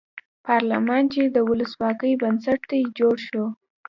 پارلمان چې د ولسواکۍ بنسټ دی جوړ شو.